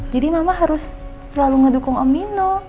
jadi mama harus selalu ngedukung om nino